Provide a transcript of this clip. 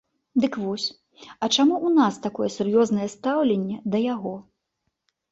Дык вось, а чаму ў нас такое сур'ёзнае стаўленне да яго?